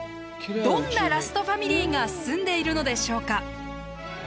どんなラストファミリーが住んでいるのでしょうか。